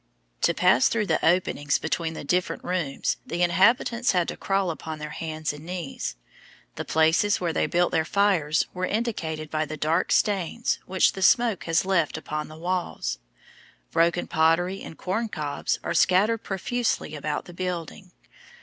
To pass through the openings between the different rooms the inhabitants had to crawl upon their hands and knees. The places where they built their fires are indicated by the dark stains which the smoke has left upon the walls. Broken pottery and corn cobs are scattered profusely about the building.